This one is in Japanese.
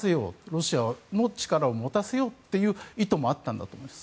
ロシアの力を持たせようという意図もあったんだと思います。